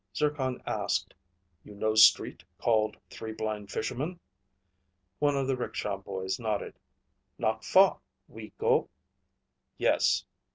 Zircon asked, "You know street called Three Blind Fishermen?" One of the rickshaw boys nodded. "Not far. We go?" "Yes."